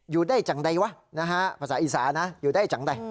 อยู่ได้จังใดวะนะฮะภาษาอีสานะอยู่ได้จังใด